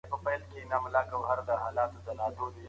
تجاوز کوونکی په دنیا او آخرت کي شرمېږي.